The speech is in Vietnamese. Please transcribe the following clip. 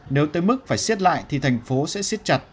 nếu tới mức phải siết lại thì thành phố sẽ siết chặt